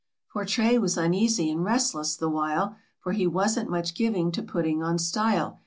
But Tray was uneasy and restless the while, For he wasn't much giving to putting on style.